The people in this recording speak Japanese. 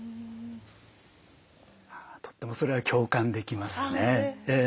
とってもそれは共感できますね。